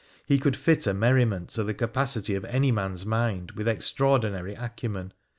He could fit a merriment to the capacity of any man's mind with extraordinary acumen.